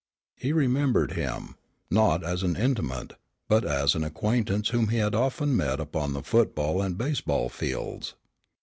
He remembered him, not as an intimate, but as an acquaintance whom he had often met upon the football and baseball fields.